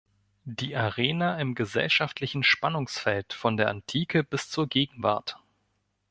Die Arena im gesellschaftlichen Spannungsfeld von der Antike bis zur Gegenwart".